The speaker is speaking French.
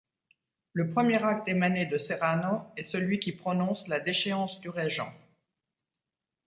Le premier acte émané de Serrano est celui qui prononce la déchéance du régent.